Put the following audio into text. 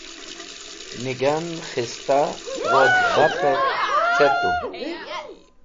nigan, khista woz bat'ev picetu